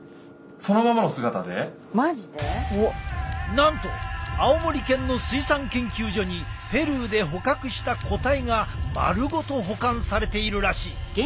なんと青森県の水産研究所にペルーで捕獲した個体が丸ごと保管されているらしい。